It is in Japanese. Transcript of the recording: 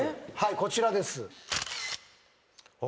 こちらです。